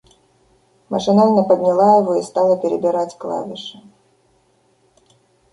Машинально подняла его и стала перебирать клавиши.